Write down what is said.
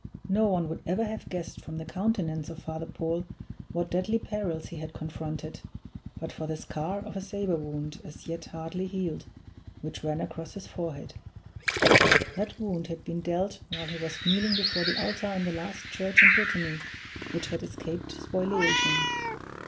No one would ever have guessed from the countenance of Father Paul what deadly perils he had confronted, but for the scar of a saber wound, as yet hardly healed, which ran across his forehead. That wound had been dealt while he was kneeling before the altar in the last church in Brittany which had escaped spoliation.